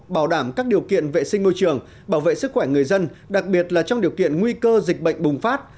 bảo đảm các điều kiện vệ sinh môi trường bảo vệ sức khỏe người dân đặc biệt là trong điều kiện nguy cơ dịch bệnh bùng phát